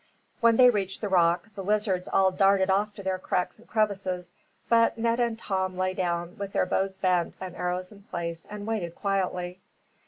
When they reached the rock, the lizards all darted off to their cracks and crevices; but Ned and Tom lay down, with their bows bent and arrows in place, and waited quietly.